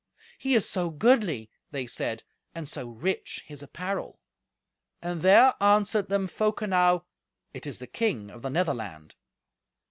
"He is so goodly," they said, "and so rich his apparel." And there answered them folk enow, "It is the king of the Netherland."